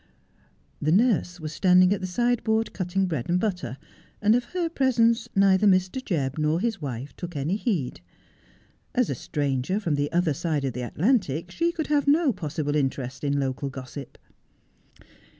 The nurse was standing at the sideboard cutting bread and butter, and of her presence neither Mr. Jebb nor his wife took any heed. As a stranger from the other side of the Atlantic she could have no possible interest in local gossip.